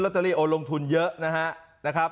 ร็อเตอรี่โอลงทุนเยอะนะฮะ